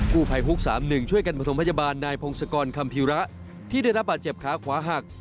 ผู้ภัยฮุก๓๑ช่วยกันประถมพยาบาลนายพงศกรคัมภีระที่ได้รับบาดเจ็บขาขวาหัก